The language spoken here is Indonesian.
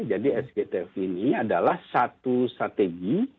jadi sgtf ini adalah satu strategi